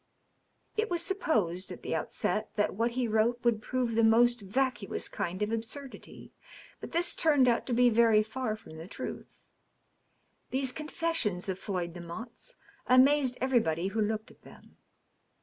It was supposed, at the outset, that what he wrote would prove the most vacuous kind of absurdity. But this turned out to be very far from the truth. These confessions of Floyd Demotte's amazed every body who looked at them.